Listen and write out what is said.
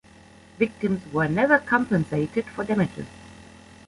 Victims were never compensated for damages.